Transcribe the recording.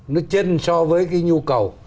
nó chênh so với cái nhu cầu